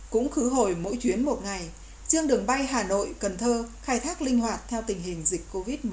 cũng khứ hồi mỗi chuyến một ngày riêng đường bay hà nội cần thơ khai thác linh hoạt theo tình hình dịch covid một mươi chín